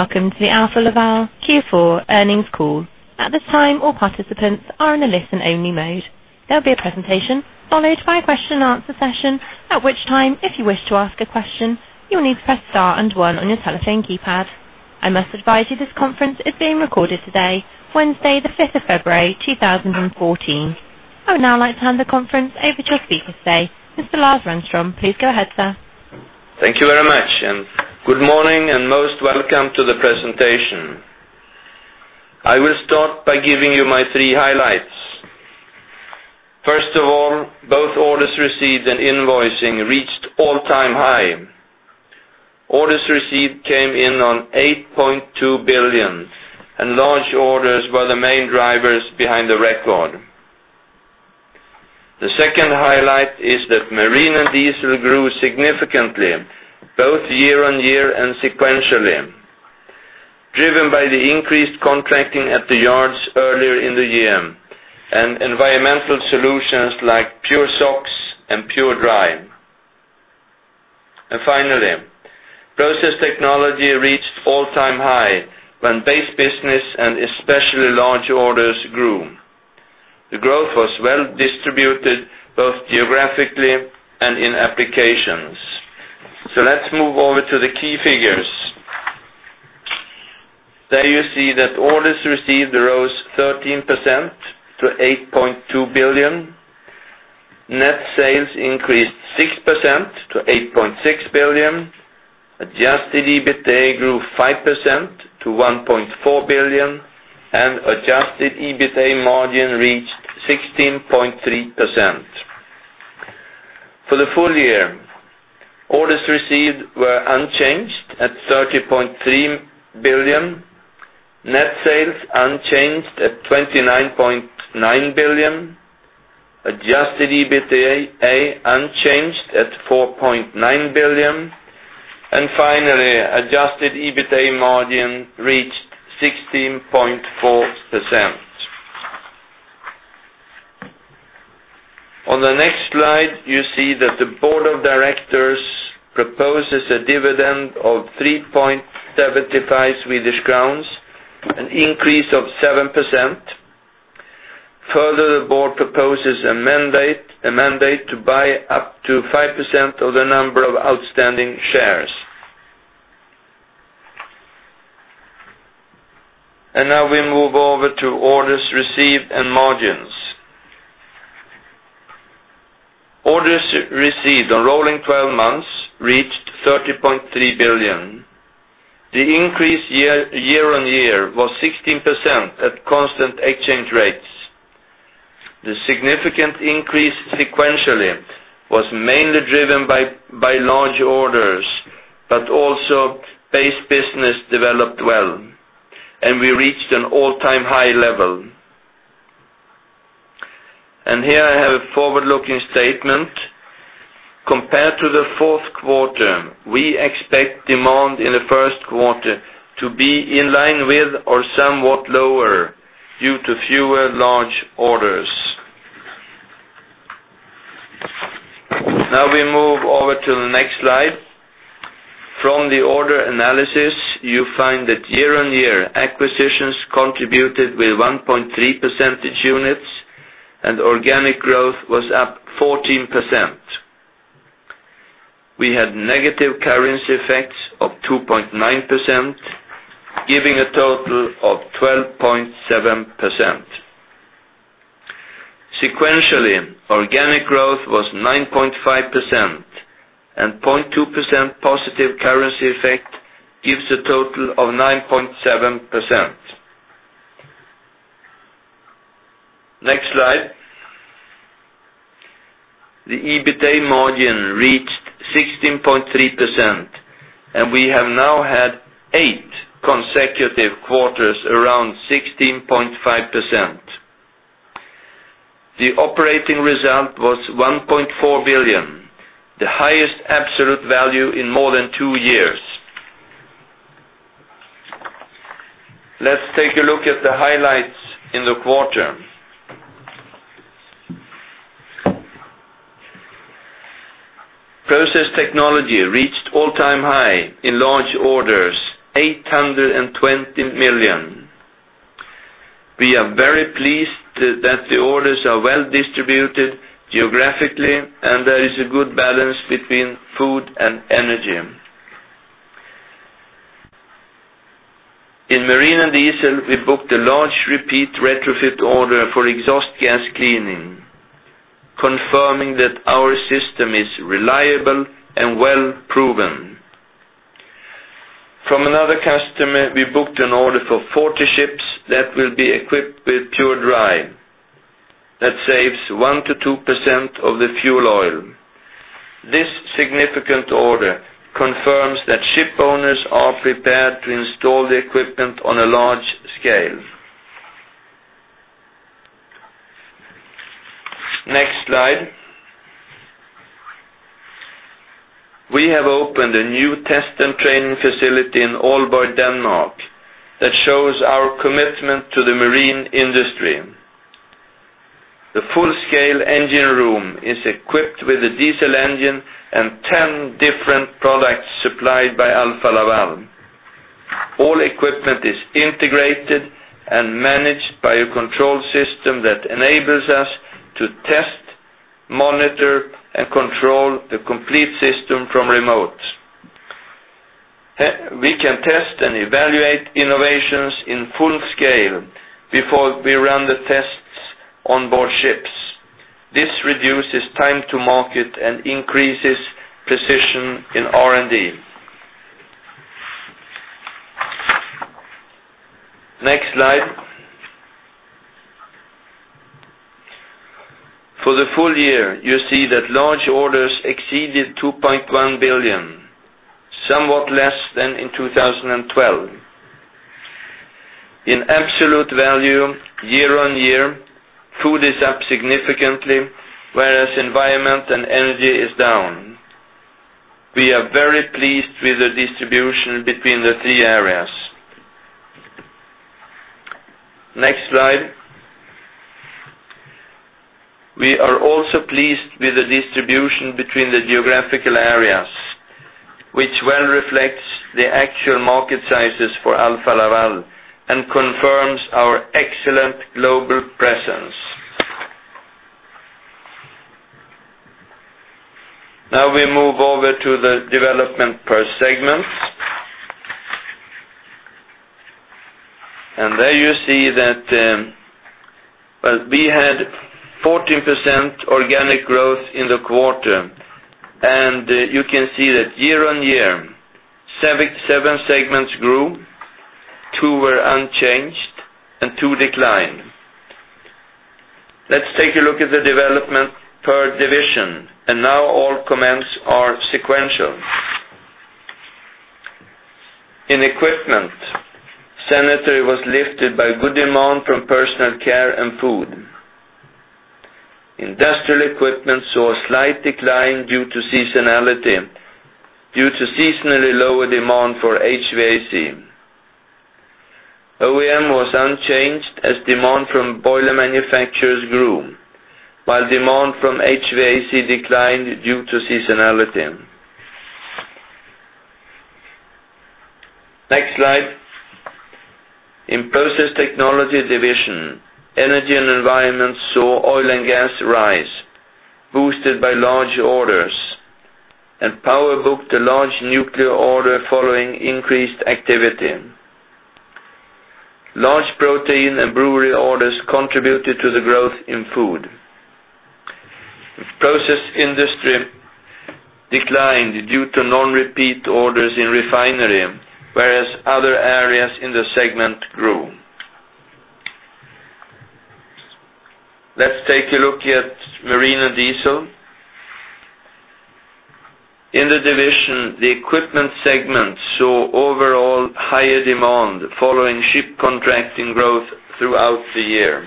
Welcome to the Alfa Laval Q4 earnings call. At this time, all participants are in a listen-only mode. There will be a presentation, followed by a question and answer session, at which time, if you wish to ask a question, you will need to press Star and One on your telephone keypad. I must advise you this conference is being recorded today, Wednesday, the 5th of February, 2014. I would now like to hand the conference over to a speaker today, Mr. Lars Renström. Please go ahead, sir. Thank you very much, good morning, most welcome to the presentation. I will start by giving you my three highlights. First of all, both orders received and invoicing reached all-time high. Orders received came in on 8.2 billion, large orders were the main drivers behind the record. The second highlight is that marine and diesel grew significantly, both year-on-year and sequentially, driven by the increased contracting at the yards earlier in the year, environmental solutions like PureSOx and PureDry. Finally, process technology reached all-time high when base business and especially large orders grew. The growth was well-distributed both geographically and in applications. Let us move over to the key figures. There you see that orders received rose 13% to 8.2 billion. Net sales increased 6% to 8.6 billion. Adjusted EBITDA grew 5% to 1.4 billion, and adjusted EBITDA margin reached 16.3%. For the full year, orders received were unchanged at 30.3 billion, net sales unchanged at 29.9 billion, adjusted EBITDA unchanged at 4.9 billion, finally, adjusted EBITDA margin reached 16.4%. On the next slide, you see that the board of directors proposes a dividend of 3.75 Swedish crowns, an increase of 7%. Further, the board proposes a mandate to buy up to 5% of the number of outstanding shares. Now we move over to orders received and margins. Orders received on rolling 12-months reached 30.3 billion. The increase year-on-year was 16% at constant exchange rates. The significant increase sequentially was mainly driven by large orders, also base business developed well, we reached an all-time high level. Here I have a forward-looking statement. Compared to the fourth quarter, we expect demand in the first quarter to be in line with or somewhat lower due to fewer large orders. We move over to the next slide. From the order analysis, you find that year-on-year acquisitions contributed with 1.3 percentage units, organic growth was up 14%. We had negative currency effects of 2.9%, giving a total of 12.7%. Sequentially, organic growth was 9.5%, 0.2% positive currency effect gives a total of 9.7%. Next slide. The EBITDA margin reached 16.3%, we have now had eight consecutive quarters around 16.5%. The operating result was 1.4 billion, the highest absolute value in more than two years. Let us take a look at the highlights in the quarter. Process technology reached all-time high in large orders, 820 million. We are very pleased that the orders are well distributed geographically, and there is a good balance between food and energy. In Marine & Diesel, we booked a large repeat retrofit order for exhaust gas cleaning, confirming that our system is reliable and well proven. From another customer, we booked an order for 40 ships that will be equipped with PureDry. That saves 1%-2% of the fuel oil. This significant order confirms that ship owners are prepared to install the equipment on a large scale. Next slide. We have opened a new test and training facility in Aalborg, Denmark, that shows our commitment to the marine industry. The full-scale engine room is equipped with a diesel engine and 10 different products supplied by Alfa Laval. All equipment is integrated and managed by a control system that enables us to test, monitor, and control the complete system from remote. We can test and evaluate innovations in full scale before we run the tests on board ships. This reduces time to market and increases precision in R&D. Next slide. For the full year, you see that large orders exceeded 2.1 billion, somewhat less than in 2012. In absolute value, year-on-year, food is up significantly, whereas Energy & Environment is down. We are very pleased with the distribution between the three areas. Next slide. We are also pleased with the distribution between the geographical areas, which well reflects the actual market sizes for Alfa Laval and confirms our excellent global presence. We move over to the development per segment. There you see that we had 14% organic growth in the quarter, and you can see that year-on-year, seven segments grew, two were unchanged, and two declined. Let's take a look at the development per division. Now all comments are sequential. In Equipment, Sanitary was lifted by good demand from personal care and food. Industrial equipment saw a slight decline due to seasonally lower demand for HVAC. OEM was unchanged as demand from boiler manufacturers grew, while demand from HVAC declined due to seasonality. Next slide. In Process Technology Division, Energy & Environment saw oil and gas rise, boosted by large orders. Power booked a large nuclear order following increased activity. Large protein and brewery orders contributed to the growth in Food. Process Industry declined due to non-repeat orders in refinery, whereas other areas in the segment grew. Let's take a look at Marine & Diesel. In the division, the Equipment segment saw overall higher demand following ship contracting growth throughout the year.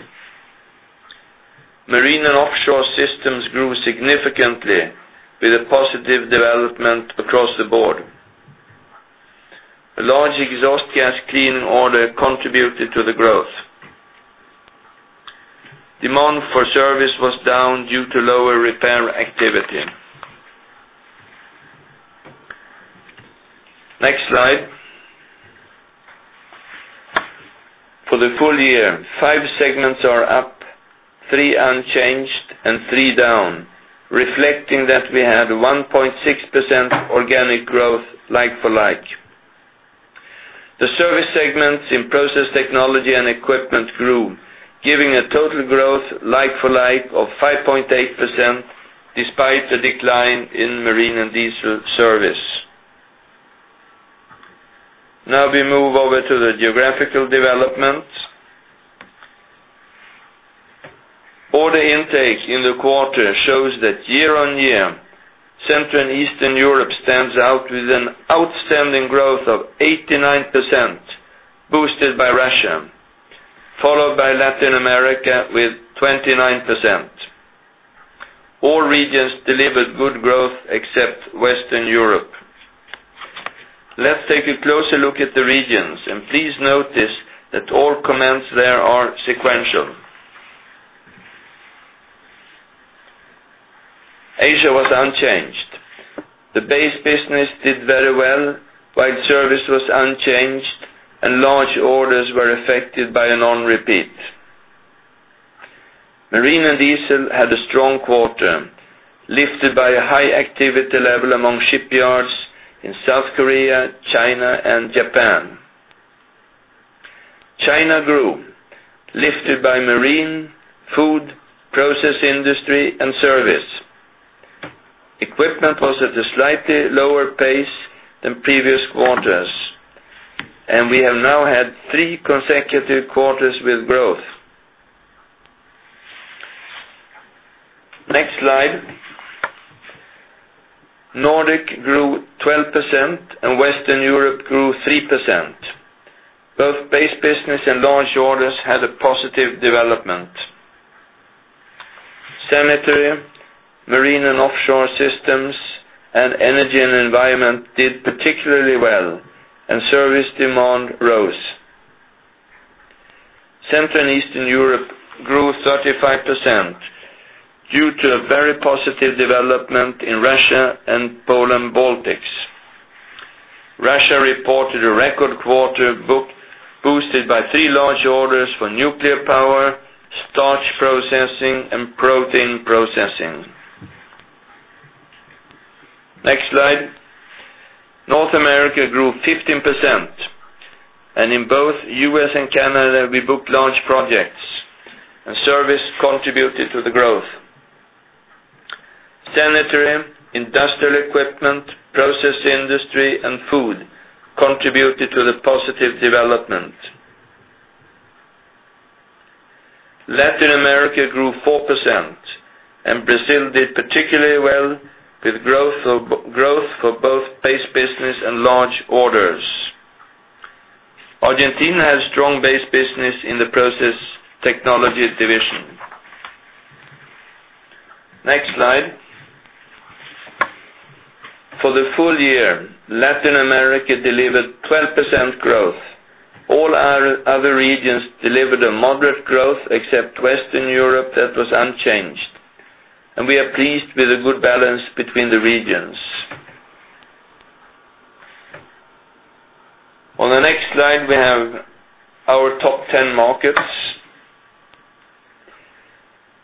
Marine & Offshore Systems grew significantly with a positive development across the board. A large exhaust gas cleaning order contributed to the growth. Demand for Service was down due to lower repair activity. Next slide. For the full year, five segments are up, three unchanged, and three down, reflecting that we had 1.6% organic growth like-for-like. The Service segments in Process Technology and Equipment grew, giving a total growth like-for-like of 5.8%, despite the decline in Marine & Diesel Service. We move over to the geographical development. Order intake in the quarter shows that year-on-year, Central and Eastern Europe stands out with an outstanding growth of 89%, boosted by Russia, followed by Latin America with 29%. All regions delivered good growth except Western Europe. Let's take a closer look at the regions. Please notice that all comments there are sequential. Asia was unchanged. The base business did very well, while service was unchanged, and large orders were affected by a non-repeat. Marine & Diesel had a strong quarter, lifted by a high activity level among shipyards in South Korea, China, and Japan. China grew, lifted by marine, food, process industry, and service. Equipment was at a slightly lower pace than previous quarters, and we have now had three consecutive quarters with growth. Next slide. Nordic grew 12% and Western Europe grew 3%. Both base business and large orders had a positive development. Sanitary Marine & Offshore Systems and Energy & Environment did particularly well, and service demand rose. Central and Eastern Europe grew 35% due to a very positive development in Russia and Poland-Baltics. Russia reported a record quarter boosted by three large orders for nuclear power, starch processing, and protein processing. Next slide. North America grew 15%. In both U.S. and Canada, we booked large projects and service contributed to the growth. Sanitary, industrial equipment, process industry and food contributed to the positive development. Latin America grew 4%, and Brazil did particularly well with growth for both base business and large orders. Argentina has strong base business in the Process Technologies Division. Next slide. For the full year, Latin America delivered 12% growth. All our other regions delivered a moderate growth except Western Europe, that was unchanged. We are pleased with the good balance between the regions. On the next slide, we have our top 10 markets.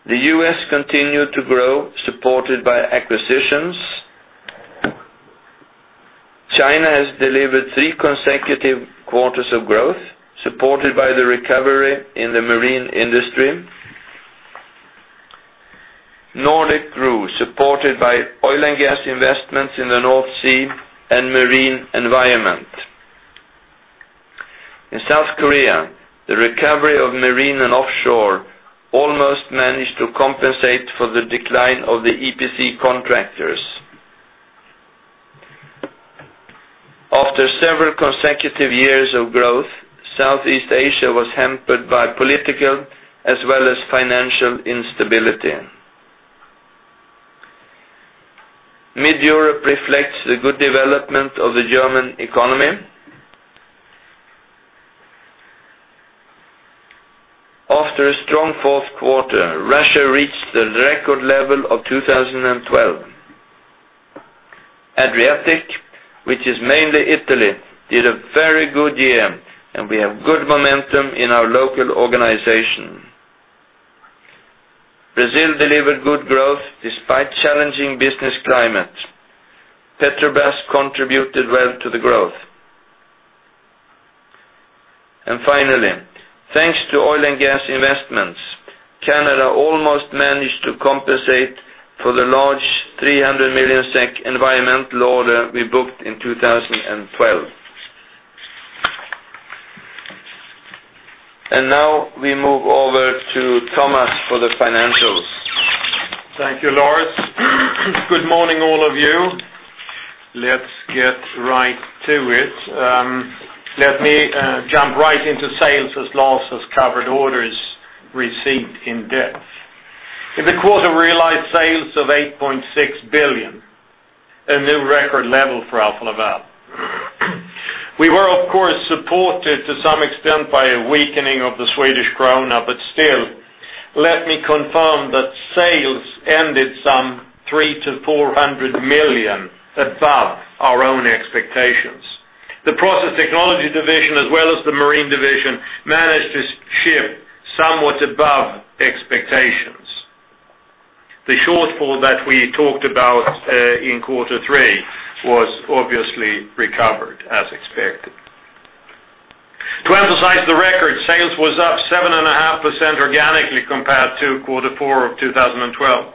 The U.S. continued to grow, supported by acquisitions. China has delivered three consecutive quarters of growth, supported by the recovery in the marine industry. Nordic grew, supported by oil and gas investments in the North Sea and marine environment. In South Korea, the recovery of marine and offshore almost managed to compensate for the decline of the EPC contractors. After several consecutive years of growth, Southeast Asia was hampered by political as well as financial instability. Mid Europe reflects the good development of the German economy. After a strong quarter 4, Russia reached the record level of 2012. Adriatic, which is mainly Italy, did a very good year, and we have good momentum in our local organization. Brazil delivered good growth despite challenging business climate. Petrobras contributed well to the growth. Finally, thanks to oil and gas investments, Canada almost managed to compensate for the large 300 million SEK environmental order we booked in 2012. Now we move over to Thomas for the financials. Thank you, Lars. Good morning, all of you. Let's get right to it. Let me jump right into sales as Lars covered orders received in depth. In the quarter, realized sales of 8.6 billion, a new record level for Alfa Laval. We were, of course, supported to some extent by a weakening of the Swedish krona, but still, let me confirm that sales ended some 300 million to 400 million above our own expectations. The Process Technology Division, as well as the Marine Division, managed to ship somewhat above expectations. The shortfall that we talked about in quarter 3 was obviously recovered as expected. To emphasize the record, sales was up 7.5% organically compared to quarter 4 of 2012.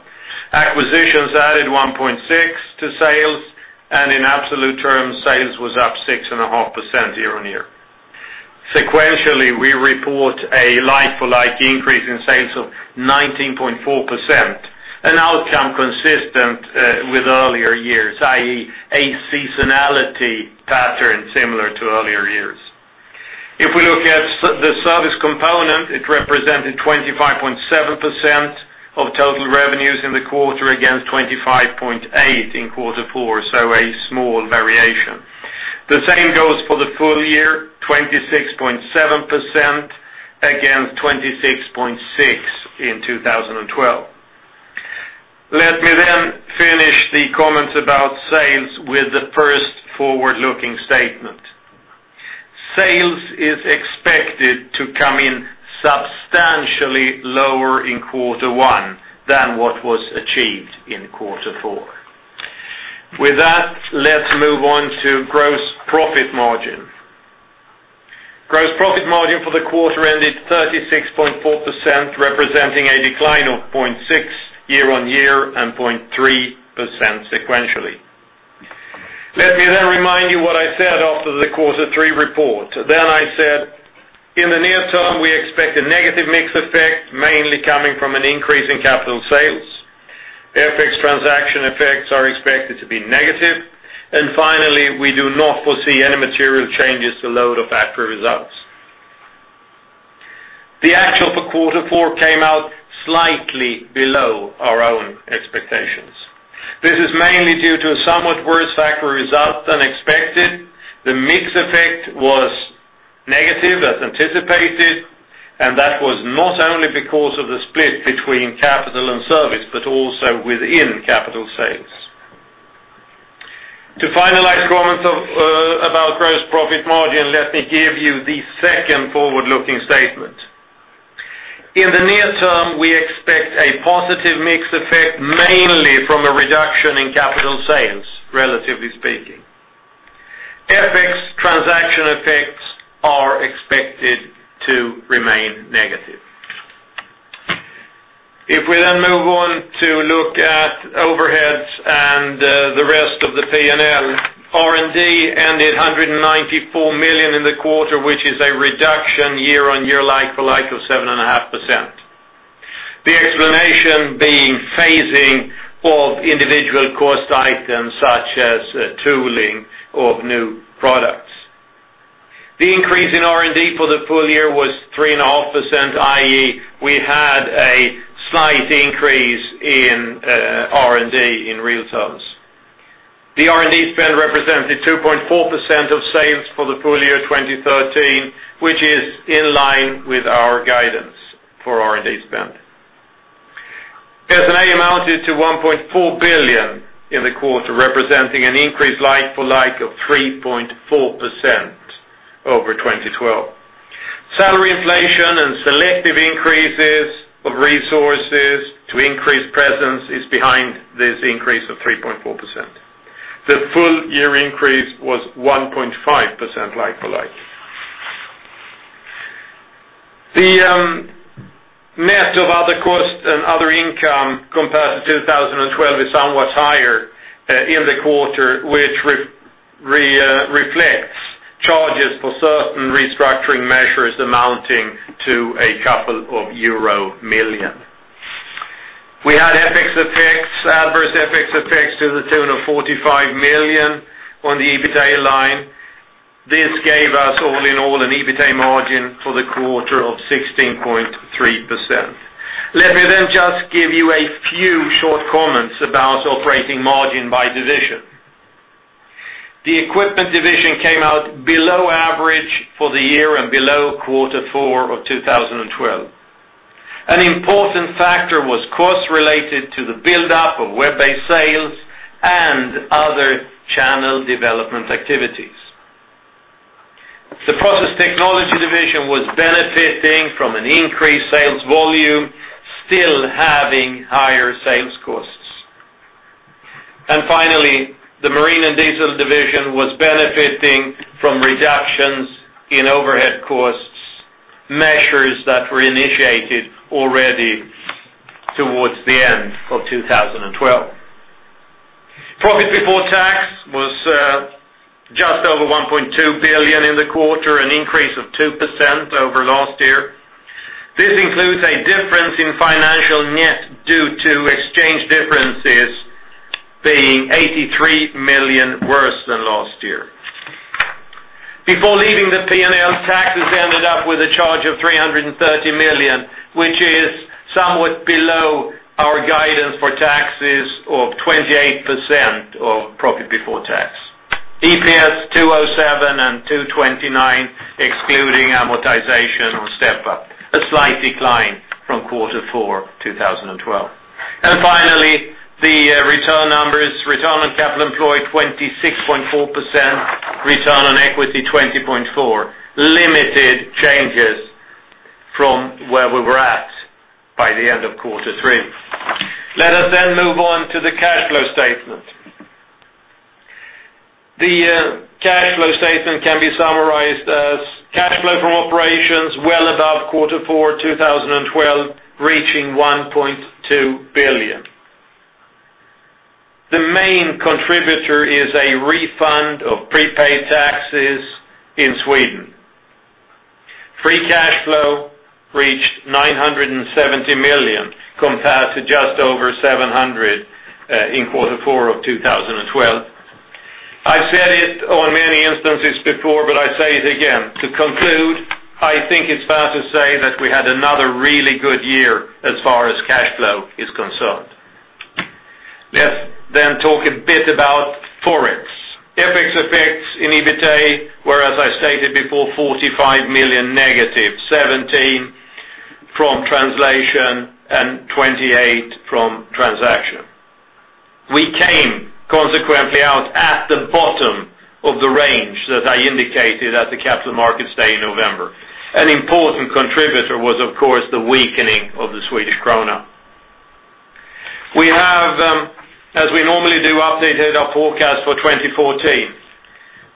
Acquisitions added 1.6% to sales, and in absolute terms, sales was up 6.5% year-on-year. Sequentially, we report a like-for-like increase in sales of 19.4%, an outcome consistent with earlier years, i.e., a seasonality pattern similar to earlier years. If we look at the service component, it represented 25.7% of total revenues in the quarter against 25.8% in quarter four, so a small variation. The same goes for the full year, 26.7% against 26.6% in 2012. Let me finish the comments about sales with the first forward-looking statement. Sales is expected to come in substantially lower in quarter one than what was achieved in quarter four. With that, let's move on to gross profit margin. Gross profit margin for the quarter ended 36.4%, representing a decline of 0.6% year-over-year and 0.3% sequentially. Let me remind you what I said after the quarter three report. I said, in the near term, we expect a negative mix effect, mainly coming from an increase in capital sales. FX transaction effects are expected to be negative. Finally, we do not foresee any material changes to load of factory results. The actual for quarter four came out slightly below our own expectations. This is mainly due to a somewhat worse factor result than expected. The mix effect was negative as anticipated, and that was not only because of the split between capital and service, but also within capital sales. To finalize comments about gross profit margin, let me give you the second forward-looking statement. In the near term, we expect a positive mix effect, mainly from a reduction in capital sales, relatively speaking. FX transaction effects are expected to remain negative. If we move on to look at overheads and the rest of the P&L, R&D ended 194 million in the quarter, which is a reduction year-over-year like-for-like of 7.5%. The explanation being phasing of individual cost items such as tooling of new products. The increase in R&D for the full year was 3.5%, i.e., we had a slight increase in R&D in real terms. The R&D spend represented 2.4% of sales for the full year 2013, which is in line with our guidance for R&D spend. S&A amounted to 1.4 billion in the quarter, representing an increase like-for-like of 3.4% over 2012. Salary inflation and selective increases of resources to increase presence is behind this increase of 3.4%. The full-year increase was 1.5% like-for-like. The net of other cost and other income compared to 2012 is somewhat higher in the quarter, which reflects charges for certain restructuring measures amounting to a couple of euro million. We had adverse FX effects to the tune of 45 million on the EBITA line. This gave us all in all an EBITA margin for the quarter of 16.3%. Let me just give you a few short comments about operating margin by division. The equipment division came out below average for the year and below quarter four of 2012. An important factor was cost related to the buildup of web-based sales and other channel development activities. The process technology division was benefiting from an increased sales volume, still having higher sales costs. Finally, the marine and diesel division was benefiting from reductions in overhead costs, measures that were initiated already towards the end of 2012. Profit before tax was just over 1.2 billion in the quarter, an increase of 2% over last year. This includes a difference in financial net due to exchange differences being 83 million worse than last year. Before leaving the P&L, taxes ended up with a charge of 330 million, which is somewhat below our guidance for taxes of 28% of profit before tax. EPS 207 and 229, excluding amortization on step-up, a slight decline from quarter four 2012. Finally, the return numbers, return on capital employed 26.4%, return on equity 20.4%, limited changes from where we were at by the end of quarter three. Let us move on to the cash flow statement. The cash flow statement can be summarized as cash flow from operations well above quarter four 2012, reaching 1.2 billion. The main contributor is a refund of prepaid taxes in Sweden. Free cash flow reached 970 million compared to just over 700 million in quarter four of 2012. I've said it on many instances before, but I say it again, to conclude, I think it's fair to say that we had another really good year as far as cash flow is concerned. Let's talk a bit about FX. FX effects in EBITA were, as I stated before, 45 million negative, 17 million from translation and 28 million from transaction. We came consequently out at the bottom of the range that I indicated at the Capital Markets Day in November. An important contributor was, of course, the weakening of the Swedish krona. We have, as we normally do, updated our forecast for 2014.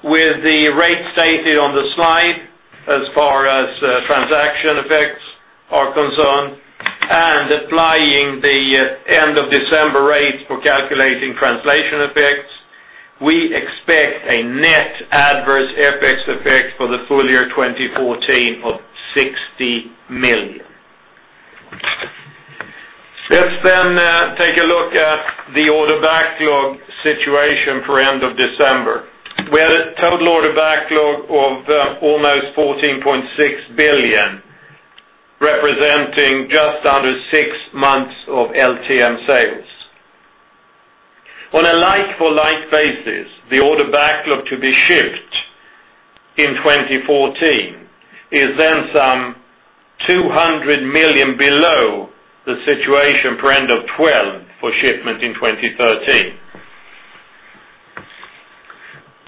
With the rate stated on the slide as far as transaction effects are concerned and applying the end of December rates for calculating translation effects, we expect a net adverse FX effect for the full year 2014 of SEK 60 million. Let's take a look at the order backlog situation for end of December. We had a total order backlog of almost 14.6 billion, representing just under six months of LTM sales. On a like-for-like basis, the order backlog to be shipped in 2014 is some 200 million below the situation for end of 2012 for shipment in 2013.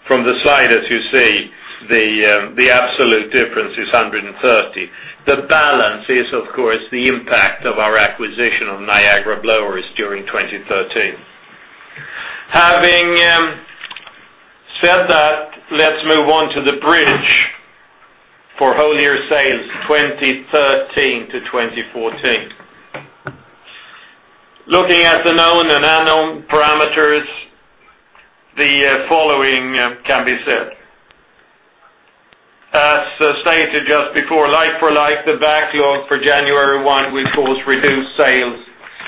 From the slide, as you see, the absolute difference is 130 million. The balance is, of course, the impact of our acquisition of Niagara Blower during 2013. Having said that, let's move on to the bridge for whole year sales 2013 to 2014. Looking at the known and unknown parameters, the following can be said. As stated just before, like-for-like, the backlog for January 1 will, of course, reduce sales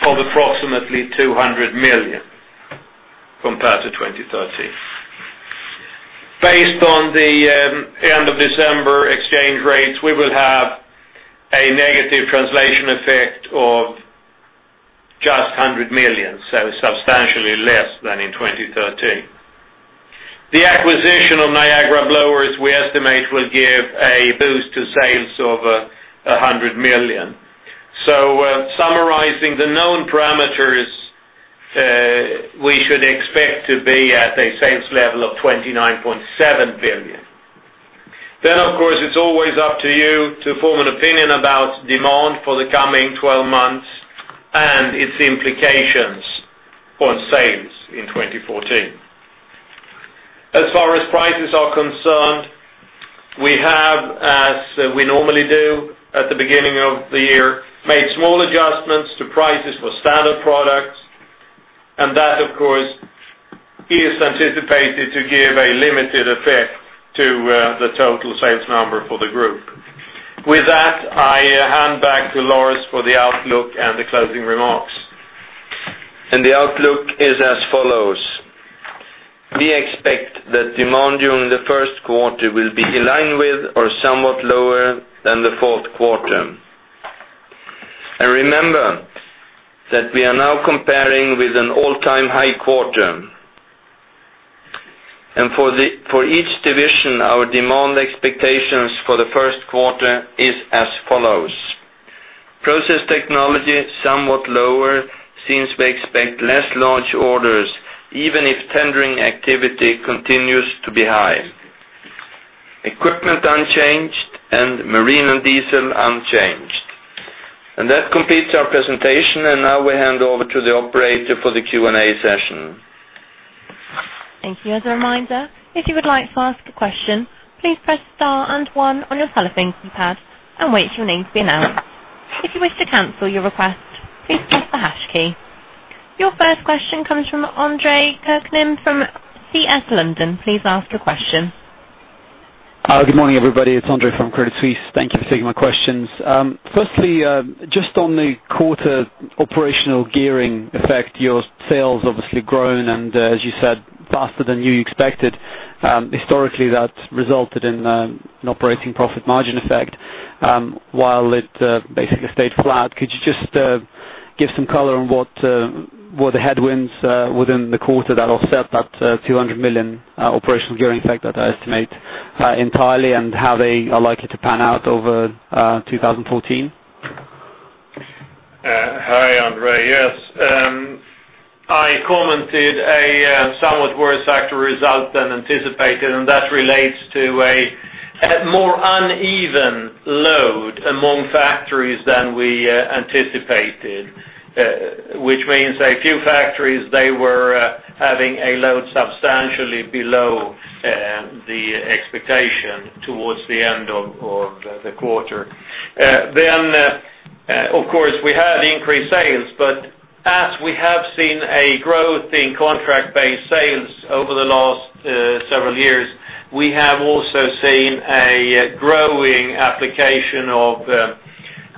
of approximately 200 million compared to 2013. Based on the end of December exchange rates, we will have a negative translation effect of just 100 million, so substantially less than in 2013. The acquisition of Niagara Blower, we estimate, will give a boost to sales of 100 million. Summarizing the known parameters, we should expect to be at a sales level of 29.7 billion. Of course, it's always up to you to form an opinion about demand for the coming 12 months and its implications on sales in 2014. As far as prices are concerned, we have, as we normally do at the beginning of the year, made small adjustments to prices for standard products, and that, of course, is anticipated to give a limited effect to the total sales number for the group. With that, I hand back to Lars for the outlook and the closing remarks. The outlook is as follows. We expect that demand during the first quarter will be in line with or somewhat lower than the fourth quarter. Remember that we are now comparing with an all-time high quarter. For each division, our demand expectations for the first quarter is as follows. Process technology, somewhat lower since we expect less large orders, even if tendering activity continues to be high. Equipment, unchanged, and marine and diesel, unchanged. That completes our presentation, and now we hand over to the operator for the Q&A session. Thank you. As a reminder, if you would like to ask a question, please press star and one on your telephone keypad and wait for your name to be announced. If you wish to cancel your request, please press the hash key. Your first question comes from Andre Kukhnin from Credit Suisse. Please ask your question. Good morning, everybody. It's Andre from Credit Suisse. Thank you for taking my questions. Firstly, just on the quarter operational gearing effect, your sales obviously grown and, as you said, faster than you expected. Historically, that's resulted in an operating profit margin effect, while it basically stayed flat. Could you just give some color on what the headwinds within the quarter that offset that 200 million operational gearing effect that I estimate entirely, and how they are likely to pan out over 2014? Hi, Andre. Yes. I commented a somewhat worse factor result than anticipated, and that relates to a more uneven load among factories than we anticipated, which means a few factories, they were having a load substantially below the expectation towards the end of the quarter. Of course, we had increased sales, but as we have seen a growth in contract-based sales over the last several years, we have also seen a growing application of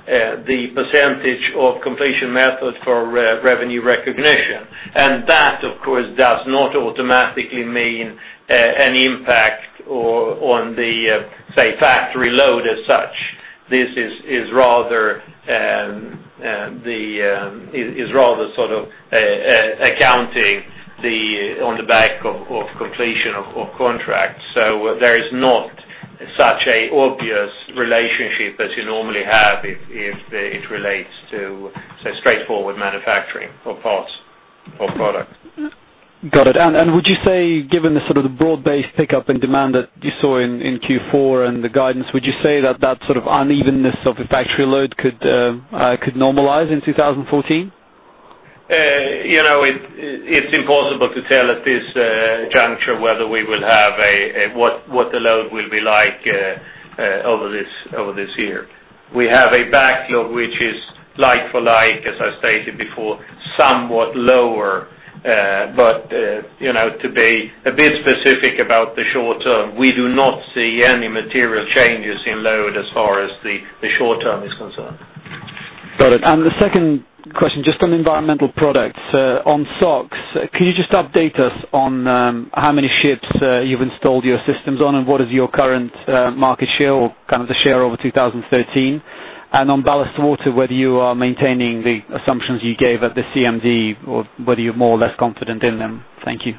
the percentage of completion method for revenue recognition. That, of course, does not automatically mean an impact on the, say, factory load as such. This is rather sort of accounting on the back of completion of contract. There is not such a obvious relationship as you normally have if it relates to, say, straightforward manufacturing of parts or product. Got it. Would you say, given the sort of the broad-based pickup in demand that you saw in Q4 and the guidance, would you say that that sort of unevenness of the factory load could normalize in 2014? It's impossible to tell at this juncture what the load will be like over this year. We have a backlog which is like for like, as I stated before, somewhat lower. To be a bit specific about the short term, we do not see any material changes in load as far as the short term is concerned. Got it. The second question, just on environmental products. On SOx, can you just update us on how many ships you've installed your systems on, and what is your current market share or the share over 2013? On ballast water, whether you are maintaining the assumptions you gave at the CMD, or whether you're more or less confident in them. Thank you.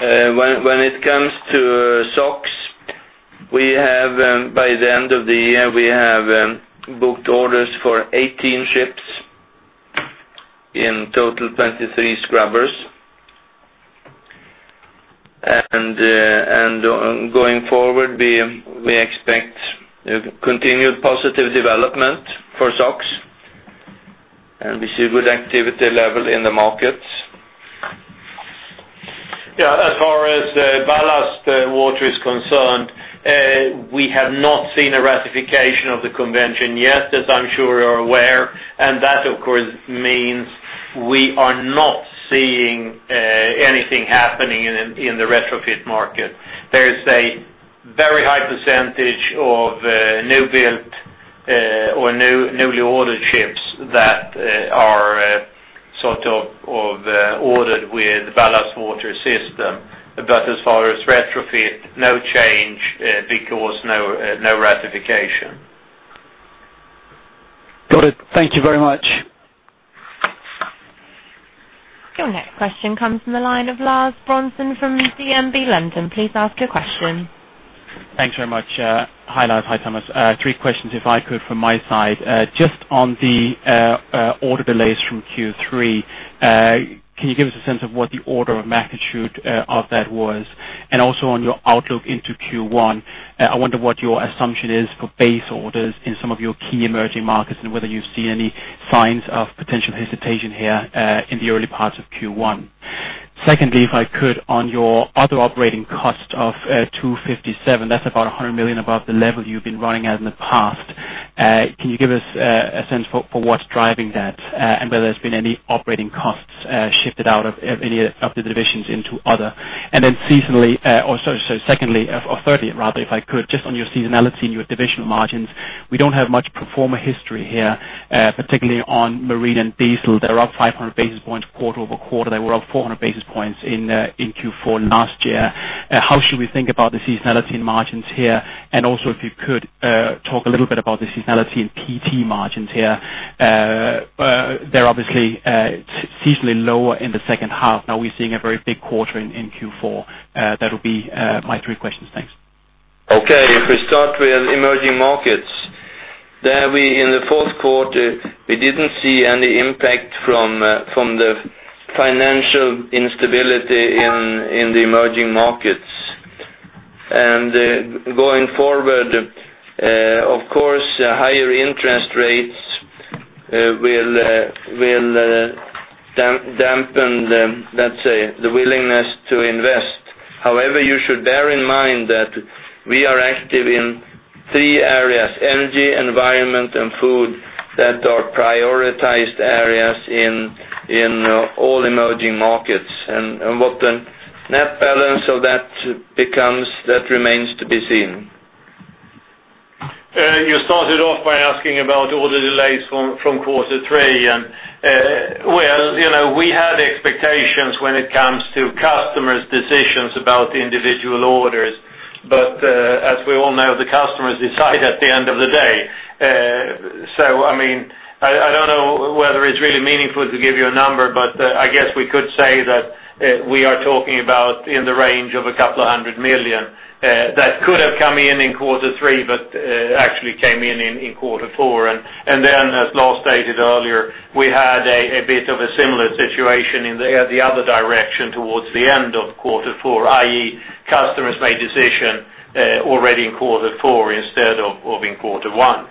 When it comes to SOx, by the end of the year, we have booked orders for 18 ships, in total, 23 scrubbers. Going forward, we expect continued positive development for SOx, we see a good activity level in the markets. Yeah. As far as ballast water is concerned, we have not seen a ratification of the convention yet, as I'm sure you're aware. That, of course, means we are not seeing anything happening in the retrofit market. There's a very high % of new-built or newly ordered ships that are ordered with ballast water system. As far as retrofit, no change, because no ratification. Got it. Thank you very much. Your next question comes from the line of Lars Brorsson from DNB London. Please ask your question. Thanks very much. Hi, Lars. Hi, Thomas. Three questions, if I could, from my side. Just on the order delays from Q3, can you give us a sense of what the order of magnitude of that was? Also on your outlook into Q1, I wonder what your assumption is for base orders in some of your key emerging markets, and whether you see any signs of potential hesitation here, in the early parts of Q1. Secondly, if I could, on your other operating cost of 257, that's about 100 million above the level you've been running at in the past. Can you give us a sense for what's driving that, and whether there's been any operating costs shifted out of any of the divisions into other? Thirdly, if I could, just on your seasonality and your divisional margins, we don't have much pro forma history here, particularly on marine and diesel. They're up 500 basis points quarter-over-quarter. They were up 400 basis points in Q4 last year. How should we think about the seasonality in margins here? Also, if you could, talk a little bit about the seasonality in PT margins here. They're obviously seasonally lower in the second half. Now we're seeing a very big quarter in Q4. That would be my three questions. Thanks. Okay. If we start with emerging markets, there, in the fourth quarter, we didn't see any impact from the financial instability in the emerging markets. Going forward, of course, higher interest rates will dampen the, let's say, the willingness to invest. However, you should bear in mind that we are active in three areas: energy, environment, and food, that are prioritized areas in all emerging markets. What the net balance of that becomes, that remains to be seen. You started off by asking about order delays from quarter three, well, we had expectations when it comes to customers' decisions about individual orders. As we all know, the customers decide at the end of the day. I don't know whether it's really meaningful to give you a number, but I guess we could say that we are talking about in the range of 200 million. That could have come in quarter three, but actually came in quarter four. As Lars stated earlier, we had a bit of a similar situation in the other direction towards the end of quarter four, i.e., customers made decision already in quarter four instead of in quarter one.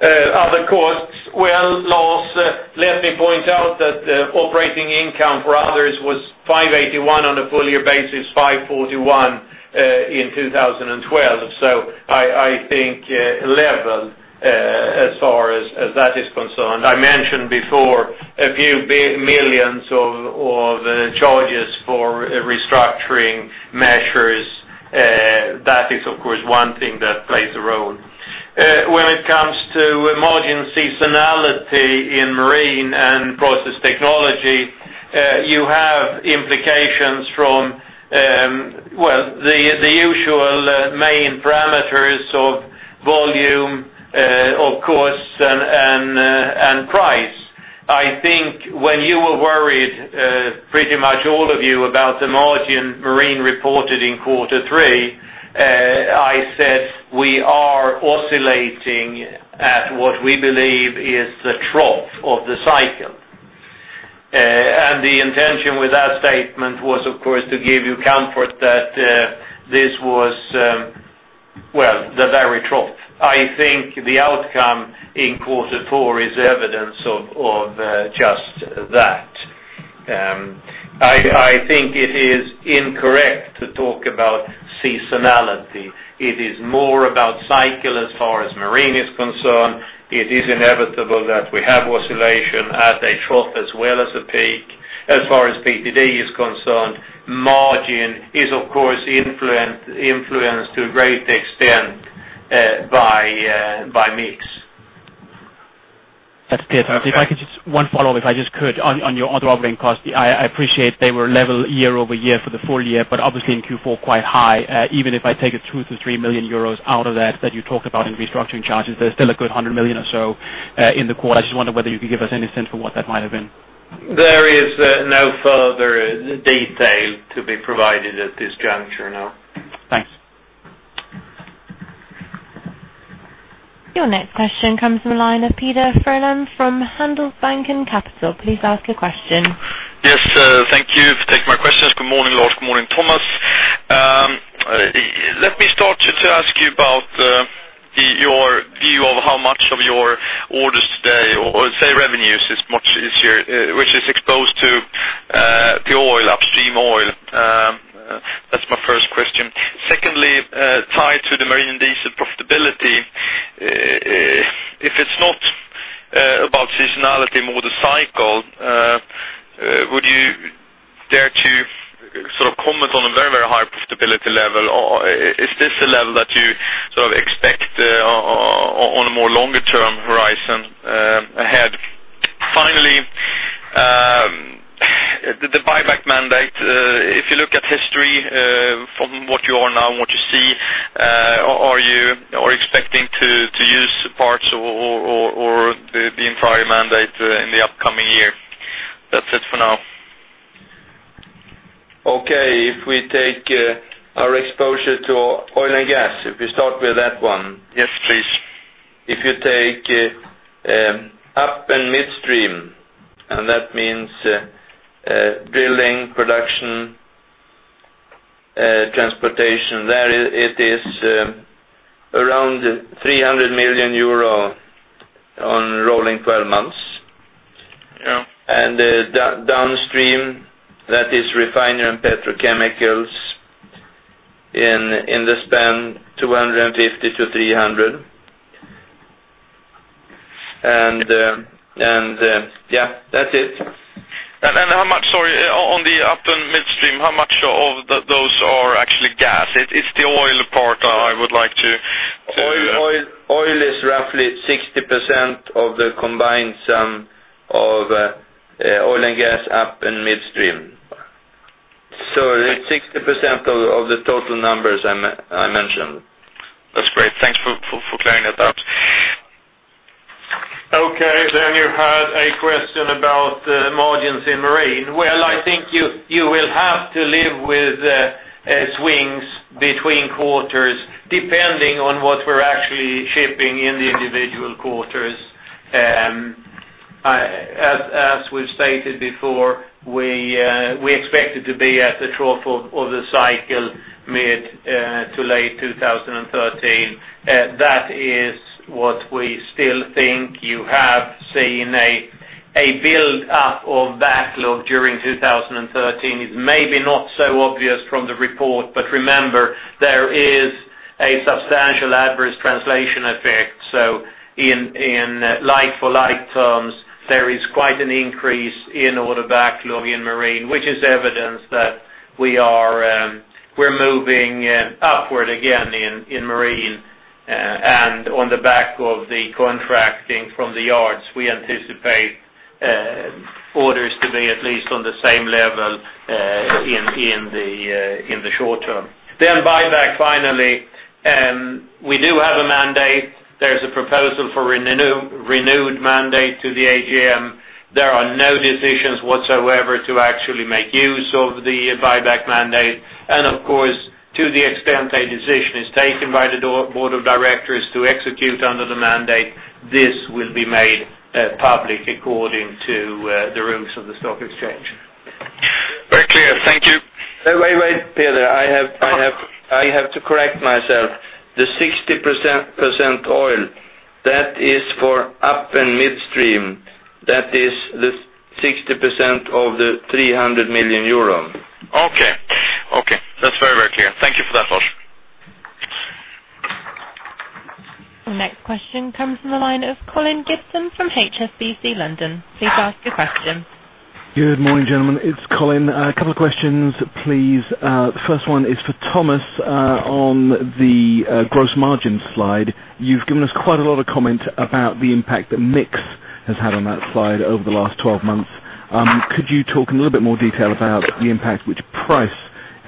Other costs, well, Lars, let me point out that operating income for others was 581 on a full year basis, 541 in 2012. I think level, as far as that is concerned. I mentioned before a few million in charges for restructuring measures. That is, of course, one thing that plays a role. When it comes to margin seasonality in marine and process technology, you have implications from, well, the usual main parameters of volume, of course, and price. I think when you were worried, pretty much all of you, about the margin marine reported in quarter three, I said we are oscillating at what we believe is the trough of the cycle. The intention with that statement was, of course, to give you comfort that this was, well, the very trough. I think the outcome in quarter four is evidence of just that. I think it is incorrect to talk about seasonality. It is more about cycle as far as marine is concerned. It is inevitable that we have oscillation at a trough as well as a peak. As far as PTD is concerned, margin is, of course, influenced to a great extent by mix. That's clear. Thank you. One follow-up, if I just could, on your other operating costs. I appreciate they were level year-over-year for the full year, but obviously in Q4, quite high. Even if I take 2 million-3 million euros out of that you talked about in restructuring charges, there's still a good 100 million or so in the quarter. I just wonder whether you could give us any sense for what that might have been. There is no further detail to be provided at this juncture, no. Thanks. Your next question comes from the line of Peder Frölén from Handelsbanken Capital. Please ask your question. Yes, thank you for taking my questions. Good morning, Lars. Good morning, Thomas. Let me start to ask you about your view of how much of your orders today, or say revenues is much easier, which is exposed to the upstream oil. That's my first question. Secondly, tied to the Marine & Diesel profitability, if it's not about seasonality, more the cycle, would you dare to comment on a very, very high profitability level? Is this a level that you expect on a more longer-term horizon ahead? Finally, the buyback mandate. If you look at history, from what you are now and what you see, are you expecting to use parts or the entire mandate in the upcoming year? That's it for now. Okay. If we take our exposure to oil and gas, if we start with that one. Yes, please. If you take up and midstream, that means drilling, production, transportation, there it is around 300 million euro on rolling 12 months. Yeah. Downstream, that is refinery and petrochemicals, in the span, 250 million to 300 million. Yeah, that's it. How much, sorry, on the up and midstream, how much of those are actually gas? It's the oil part I would like. Oil is roughly 60% of the combined sum of oil and gas up and midstream. It's 60% of the total numbers I mentioned. That's great. Thanks for clearing that up. You had a question about margins in Marine. Well, I think you will have to live with swings between quarters, depending on what we're actually shipping in the individual quarters. As we've stated before, we expected to be at the trough of the cycle mid to late 2013. That is what we still think. You have seen a build-up of backlog during 2013, is maybe not so obvious from the report, but remember, there is a substantial adverse translation effect. In like for like terms, there is quite an increase in order backlog in Marine, which is evidence that we're moving upward again in Marine. On the back of the contracting from the yards, we anticipate orders to be at least on the same level in the short term. Buyback, finally. We do have a mandate. There's a proposal for renewed mandate to the AGM. There are no decisions whatsoever to actually make use of the buyback mandate. Of course, to the extent a decision is taken by the board of directors to execute under the mandate, this will be made public according to the rules of the stock exchange. Very clear. Thank you. Wait, Peder. I have to correct myself. The 60% oil, that is for up and midstream. That is the 60% of the 300 million euro. Okay. That's very, very clear. Thank you for that, Lars. The next question comes from the line of Colin Gibson from HSBC London. Please ask your question. Good morning, gentlemen. It's Colin. A couple of questions, please. The first one is for Thomas on the gross margin slide. You've given us quite a lot of comment about the impact that mix has had on that slide over the last 12 months. Could you talk in a little bit more detail about the impact which price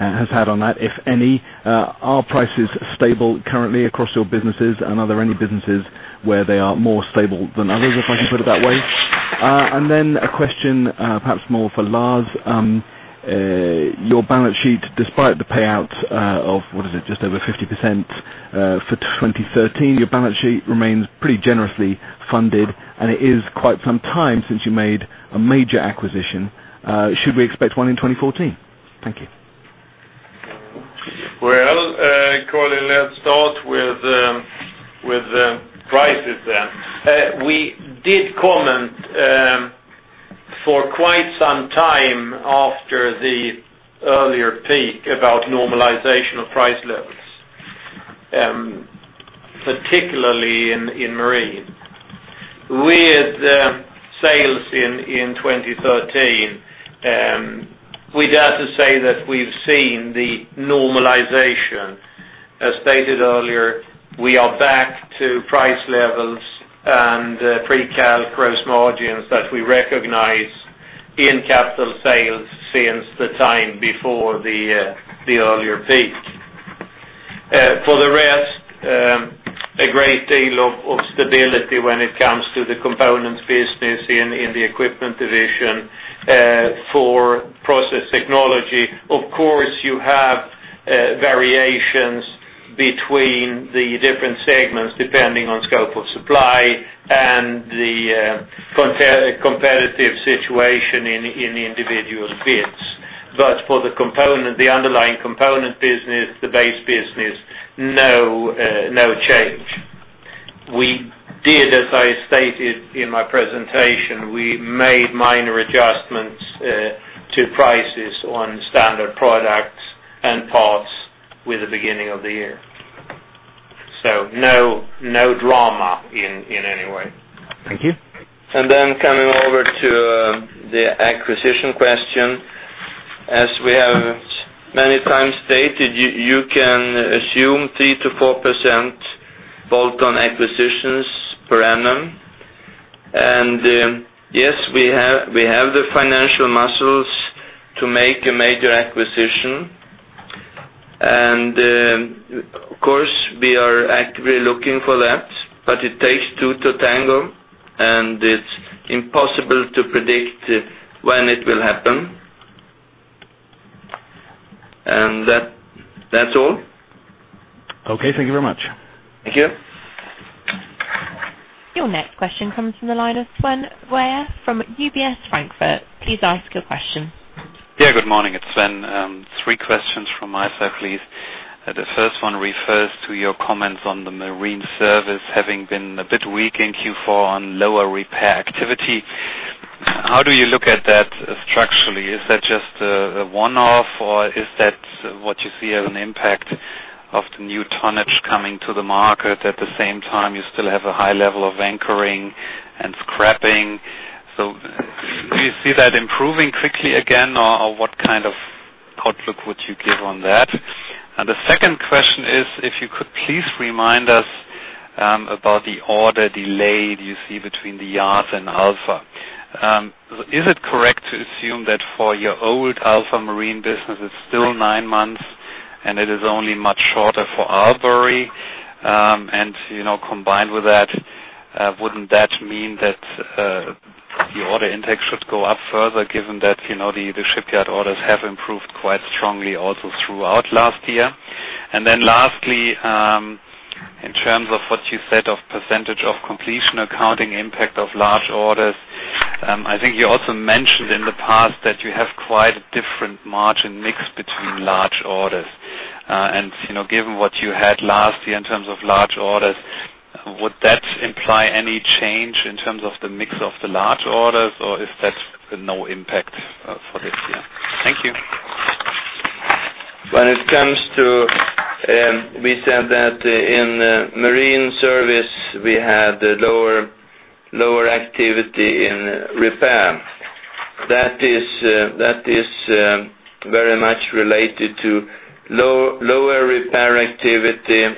has had on that, if any? Are prices stable currently across your businesses, and are there any businesses where they are more stable than others, if I can put it that way? Then a question, perhaps more for Lars. Your balance sheet, despite the payout of, what is it, just over 50% for 2013, your balance sheet remains pretty generously funded, and it is quite some time since you made a major acquisition. Should we expect one in 2014? Thank you. Well, Colin, let's start with prices. We did comment for quite some time after the earlier peak about normalization of price levels particularly in marine. With sales in 2013, we dare to say that we've seen the normalization. As stated earlier, we are back to price levels and pre-cycle gross margins that we recognize in capital sales since the time before the earlier peak. For the rest, a great deal of stability when it comes to the components business in the equipment division. For process technology, of course, you have variations between the different segments, depending on scope of supply and the competitive situation in the individual bids. But for the underlying component business, the base business, no change. As I stated in my presentation, we made minor adjustments to prices on standard products and parts with the beginning of the year. No drama in any way. Thank you. Coming over to the acquisition question. As we have many times stated, you can assume 3%-4% bolt-on acquisitions per annum. Yes, we have the financial muscles to make a major acquisition. Of course, we are actively looking for that, but it takes two to tango, and it's impossible to predict when it will happen. That's all. Okay. Thank you very much. Thank you. Your next question comes from the line of Sven Weier from UBS Frankfurt. Please ask your question. Yeah, good morning. It's Sven. Three questions from my side, please. The first one refers to your comments on the marine service having been a bit weak in Q4 on lower repair activity. How do you look at that structurally? Is that just a one-off, or is that what you see as an impact of the new tonnage coming to the market? At the same time, you still have a high level of anchoring and scrapping. Do you see that improving quickly again, or what kind of outlook would you give on that? The second question is, if you could please remind us about the order delay you see between the yards and Alfa. Is it correct to assume that for your old Alfa Marine business, it's still nine months, and it is only much shorter for Aalborg? Combined with that, wouldn't that mean that the order intake should go up further given that the shipyard orders have improved quite strongly also throughout last year? Lastly, in terms of what you said of percentage of completion accounting impact of large orders, I think you also mentioned in the past that you have quite a different margin mix between large orders. Given what you had last year in terms of large orders, would that imply any change in terms of the mix of the large orders, or is that no impact for this year? Thank you. We said that in marine service, we had lower activity in repair. That is very much related to lower repair activity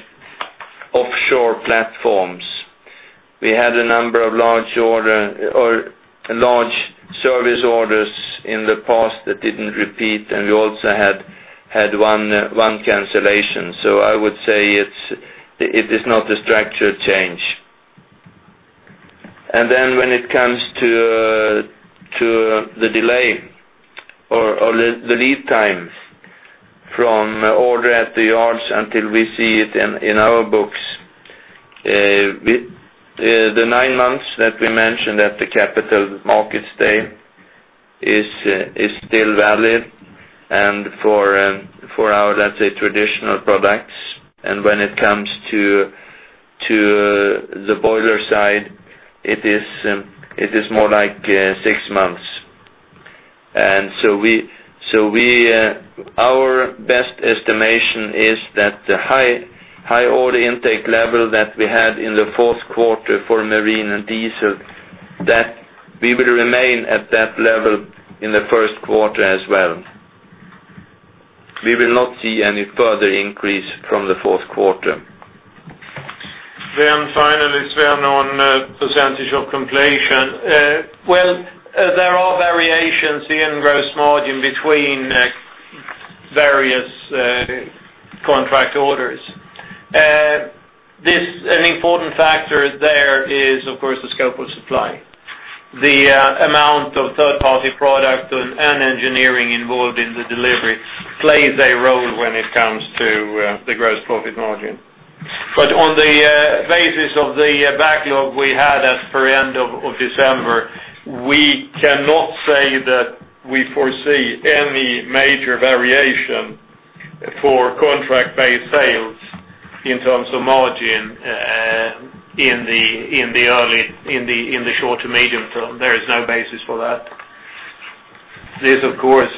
offshore platforms. We had a number of large service orders in the past that didn't repeat, and we also had one cancellation. I would say it is not a structured change. When it comes to the delay or the lead time from order at the yards until we see it in our books. The nine months that we mentioned at the Capital Markets Day is still valid, and for our, let's say, traditional products. When it comes to the boiler side, it is more like six months. Our best estimation is that the high order intake level that we had in the fourth quarter for marine and diesel, that we will remain at that level in the first quarter as well. We will not see any further increase from the fourth quarter. Finally, Sven, on percentage of completion. Well, there are variations in gross margin between various contract orders. An important factor there is, of course, the scope of supply. The amount of third-party product and engineering involved in the delivery plays a role when it comes to the gross profit margin. On the basis of the backlog we had as per end of December, we cannot say that we foresee any major variation for contract-based sales in terms of margin in the short to medium term. There is no basis for that. This, of course,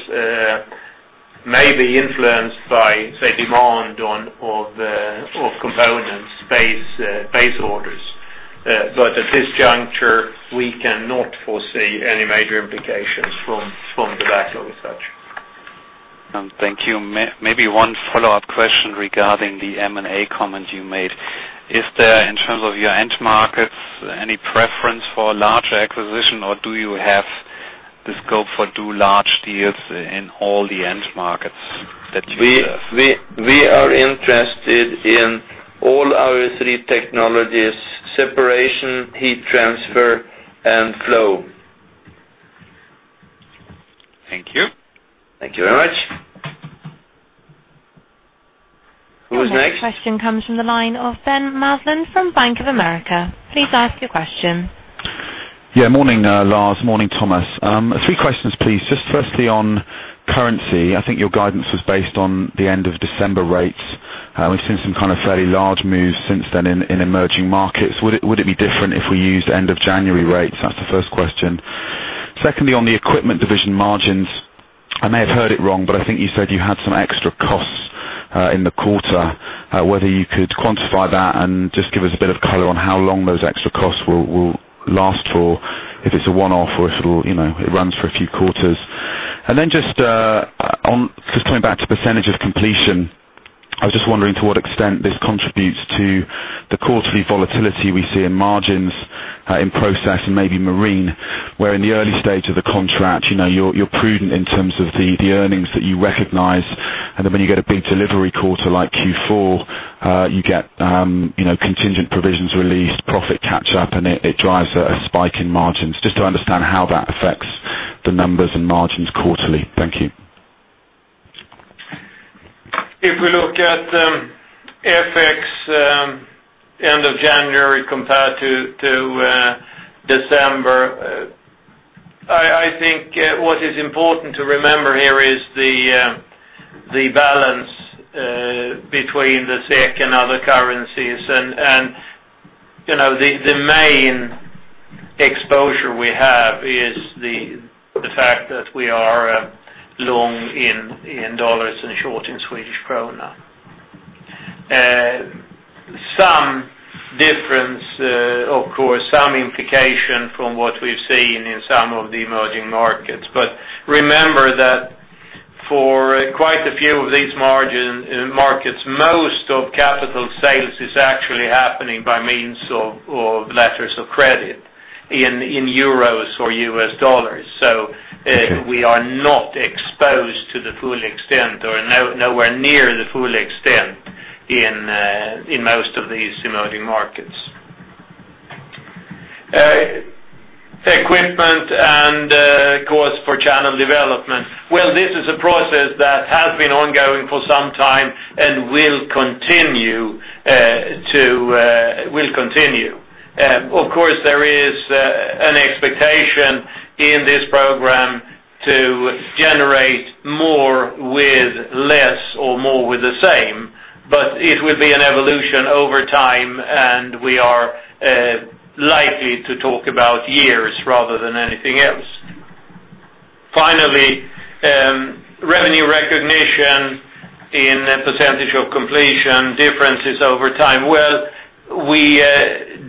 may be influenced by, say, demand of components, base orders. At this juncture, we cannot foresee any major implications from the backlog as such. Thank you. Maybe one follow-up question regarding the M&A comment you made. Is there, in terms of your end markets, any preference for a larger acquisition, or do you have the scope for two large deals in all the end markets that you have? We are interested in all our three technologies: separation, heat transfer, and flow. Thank you. Thank you very much. Who's next? Your next question comes from the line of Ben Maslen from Bank of America. Please ask your question. Yeah, morning, Lars. Morning, Thomas. Three questions, please. Just firstly on currency, I think your guidance was based on the end of December rates. We've seen some kind of fairly large moves since then in emerging markets. Would it be different if we used end of January rates? That's the first question. Secondly, on the equipment division margins, I may have heard it wrong, but I think you said you had some extra costs in the quarter, whether you could quantify that and just give us a bit of color on how long those extra costs will last for, if it's a one-off, or if it runs for a few quarters. Just coming back to percentage of completion, I was just wondering to what extent this contributes to the quarterly volatility we see in margins, in process, and maybe marine, where in the early stage of the contract, you're prudent in terms of the earnings that you recognize, and then when you get a big delivery quarter like Q4, you get contingent provisions released, profit catch-up, and it drives a spike in margins. Just to understand how that affects the numbers and margins quarterly. Thank you. If we look at FX end of January compared to December, I think what is important to remember here is the balance between the SEK and other currencies. The main exposure we have is the fact that we are long in dollars and short in Swedish krona. Some difference, of course, some implication from what we've seen in some of the emerging markets. Remember that for quite a few of these markets, most of capital sales is actually happening by means of letters of credit in EUR or USD. We are not exposed to the full extent or nowhere near the full extent in most of these emerging markets. Equipment and cost for channel development. Well, this is a process that has been ongoing for some time and will continue. Of course, there is an expectation in this program to generate more with less or more with the same, it will be an evolution over time, and we are likely to talk about years rather than anything else. Finally, revenue recognition in percentage of completion differences over time. Well, we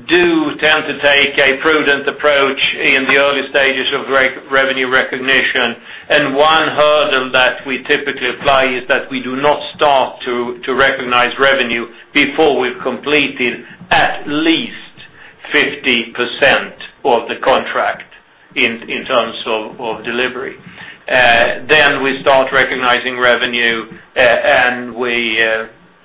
do tend to take a prudent approach in the early stages of revenue recognition, and one hurdle that we typically apply is that we do not start to recognize revenue before we've completed at least 50% of the contract in terms of delivery. Then we start recognizing revenue, and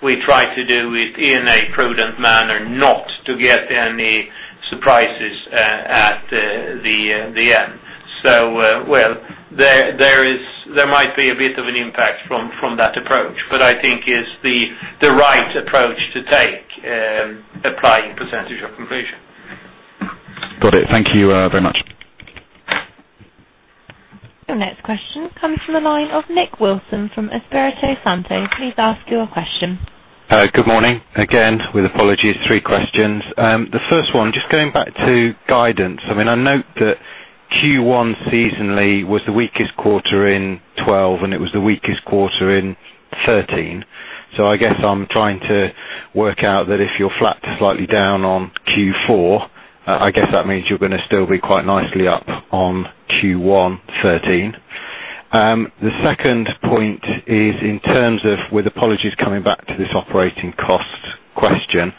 we try to do it in a prudent manner not to get any surprises at the end. Well, there might be a bit of an impact from that approach, but I think it's the right approach to take, applying percentage of completion. Got it. Thank you very much. Your next question comes from the line of Nic Wilson from Espirito Santo. Please ask your question. Good morning. Again, with apologies, three questions. The first one, just going back to guidance. I note that Q1 seasonally was the weakest quarter in 2012, and it was the weakest quarter in 2013. I guess I'm trying to work out that if you're flat to slightly down on Q4, I guess that means you're going to still be quite nicely up on Q1 2013. The second point is in terms of, with apologies coming back to this operating cost question,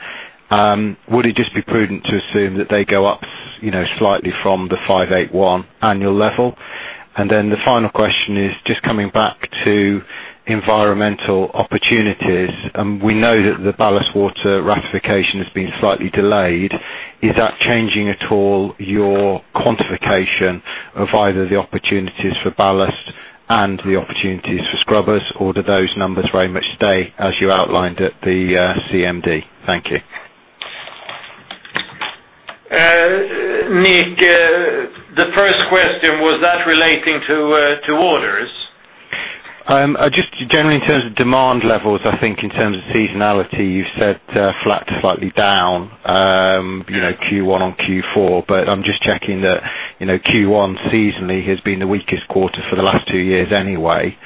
would it just be prudent to assume that they go up slightly from the 581 annual level? The final question is just coming back to environmental opportunities. We know that the ballast water ratification has been slightly delayed. Is that changing at all your quantification of either the opportunities for ballast and the opportunities for scrubbers, or do those numbers very much stay as you outlined at the CMD? Thank you. Nic, the first question, was that relating to orders? Just generally in terms of demand levels, I think in terms of seasonality, you said flat to slightly down Q1 on Q4. I'm just checking that Q1 seasonally has been the weakest quarter for the last two years anyway.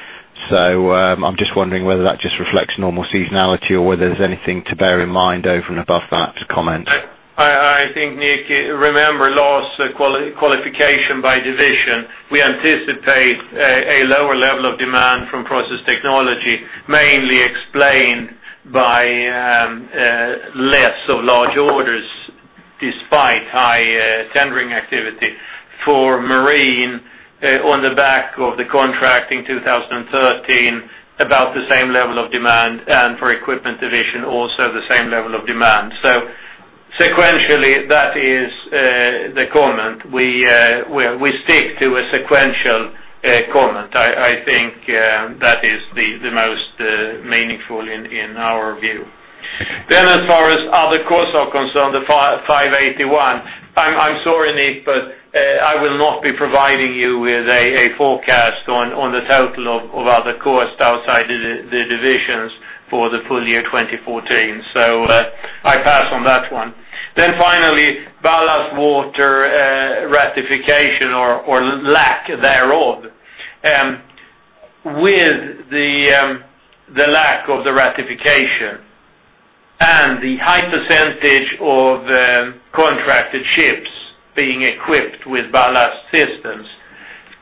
I'm just wondering whether that just reflects normal seasonality or whether there's anything to bear in mind over and above that to comment. I think, Nic, remember Lars' qualification by division, we anticipate a lower level of demand from process technology, mainly explained by less of large orders despite high tendering activity. For marine, on the back of the contract in 2013, about the same level of demand, and for equipment division, also the same level of demand. Sequentially, that is the comment. We stick to a sequential comment. I think that is the most meaningful in our view. As far as other costs are concerned, the 581. I'm sorry, Nic, but I will not be providing you with a forecast on the total of other costs outside the divisions for the full year 2014. I pass on that one. Finally, ballast water ratification or lack thereof. With the lack of the ratification and the high percentage of contracted ships being equipped with ballast systems,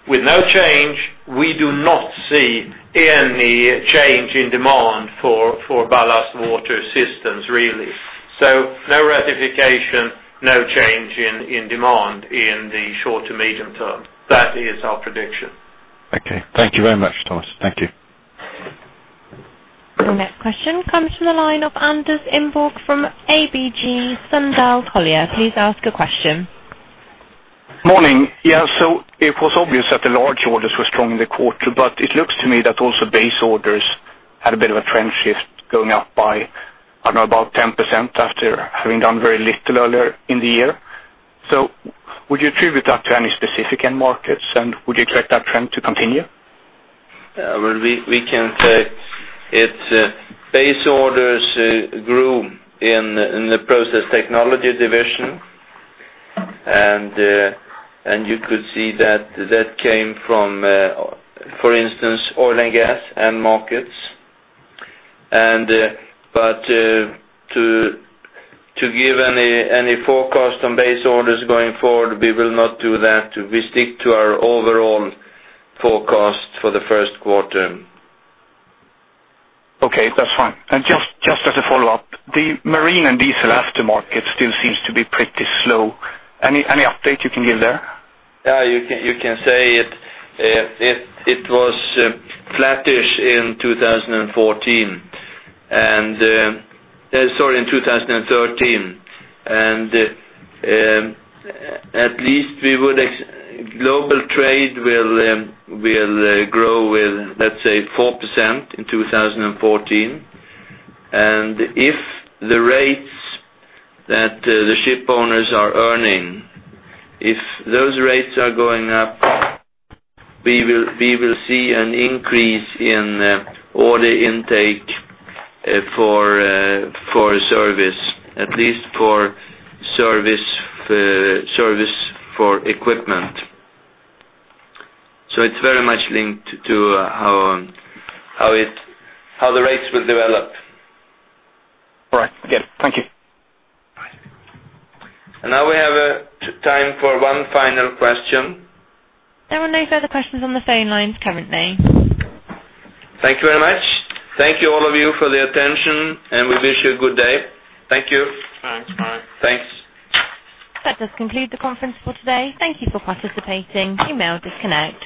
with no change, we do not see any change in demand for ballast water systems, really. No ratification, no change in demand in the short to medium term. That is our prediction. Okay. Thank you very much, Thomas. Thank you. The next question comes from the line of Anders Idborg from ABG Sundal Collier. Please ask a question. Morning. Yeah, it was obvious that the large orders were strong in the quarter, but it looks to me that also base orders had a bit of a trend shift going up by about 10% after having done very little earlier in the year. Would you attribute that to any specific end markets, and would you expect that trend to continue? We can say base orders grew in the process technology division. You could see that came from, for instance, oil and gas end markets. To give any forecast on base orders going forward, we will not do that. We stick to our overall forecast for the first quarter. Okay, that's fine. Just as a follow-up, the marine and diesel aftermarket still seems to be pretty slow. Any update you can give there? Yeah, you can say it was flattish in 2014, sorry, in 2013. At least global trade will grow with, let's say, 4% in 2014. If the rates that the ship owners are earning, if those rates are going up, we will see an increase in order intake for service, at least for service for equipment. It's very much linked to how the rates will develop. All right. Yeah. Thank you. Bye. Now we have time for one final question. There are no further questions on the phone lines currently. Thank you very much. Thank you, all of you, for the attention, and we wish you a good day. Thank you. Thanks, bye. Thanks. That does conclude the conference for today. Thank you for participating. You may all disconnect.